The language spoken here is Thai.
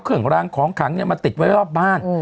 เครื่องรางของขังมาติดไว้รอบบ้าน